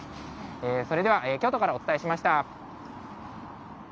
それでは、京都からお伝えしました。